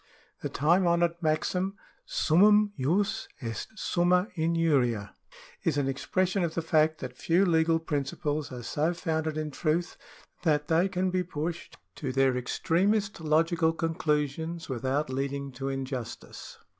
The time honoured maxim, Summumjus est summa injuria, is an expression of the fact that few legal principles are so founded in truth that they can be pushed to their extremest logical conclusions without leading to injustice.